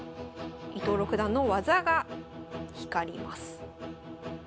伊藤六段の技が光ります。